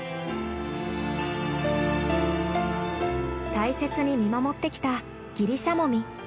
大切に見守ってきたギリシャモミ。